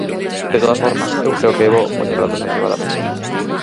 De todas formas, eu creo que é bo poñer datos enriba da mesa.